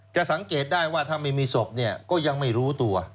สังเกตได้ว่าถ้าไม่มีศพเนี่ยก็ยังไม่รู้ตัว